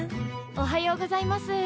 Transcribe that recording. おはようございます。